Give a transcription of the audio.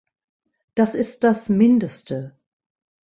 Das ist das Mindeste!